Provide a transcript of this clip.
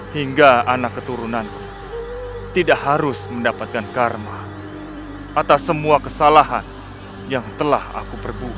hingga anak keturunanku tidak harus mendapatkan karma atas semua kesalahan yang telah aku perbuki